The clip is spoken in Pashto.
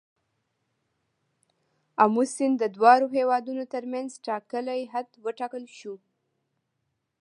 آمو سیند د دواړو هیوادونو تر منځ ټاکلی حد وټاکل شو.